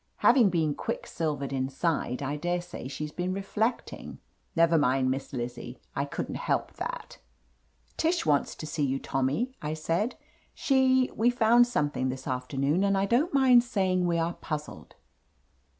"Having been quick silvered inside, I daresay she's been re flecting ! Never mind. Miss Lizzie — I couldn^t help that." "Tish wants to see you. Tommy," I said. "She — ^we found something this afternoon and I don't mind saying we are puzzled."